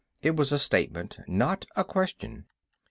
It was a statement, not a question.